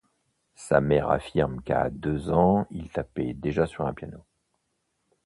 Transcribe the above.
Sa mère affirme qu’à deux ans il tapait déjà sur un piano.